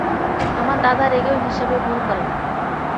তোমার দাদা রেগেও হিসেবে ভুল করেন না।